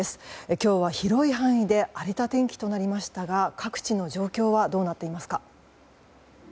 今日は広い範囲で荒れた天気となりましたが各地の状況はどうなっていますか？